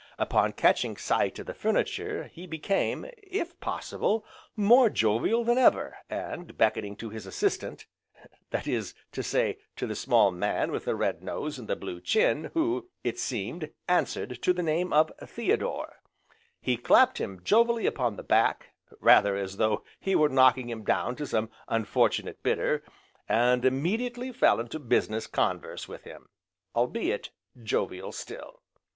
Upon catching sight of the furniture he became, if possible, more jovial than ever, and beckoning to his assistant, that is to say to the small man with the red nose and the blue chin, who, it seemed answered to the name of Theodore, he clapped him jovially upon the back, (rather as though he were knocking him down to some unfortunate bidder), and immediately fell into business converse with him, albeit jovial still.